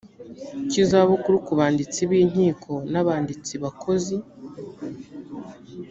cy izabukuru ku banditsi b inkiko n abandi bakozi